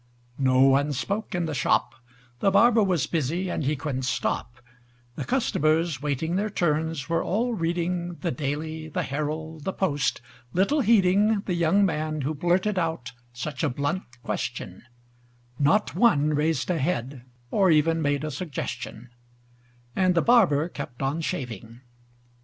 No one spoke in the shop: The barber was busy, and he couldn't stop; The customers, waiting their turns, were all reading The "Daily," the "Herald," the "Post," little heeding The young man who blurted out such a blunt question; Not one raised a head, or even made a suggestion; And the barber kept on shaving.